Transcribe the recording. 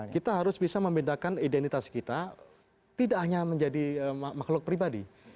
kita harus bisa membedakan identitas kita tidak hanya menjadi makhluk pribadi